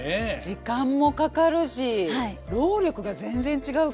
時間もかかるし労力が全然違うから。